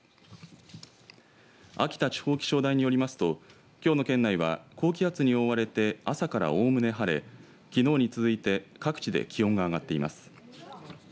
秋田地方気象台によりますときょうの県内は高気圧に覆われて朝からおおむね晴れきのうに続いて各地で気温が上がっています。